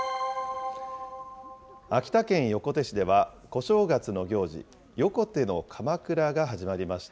秋田県横手市では、小正月の行事、横手のかまくらが始まりました。